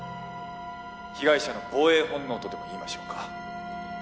被害者の防衛本能とでも言いましょうか。